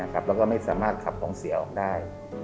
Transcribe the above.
แล้วก็ไม่สามารถขับของเสียออกได้